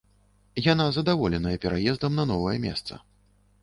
Яна задаволеная пераездам на новае месца.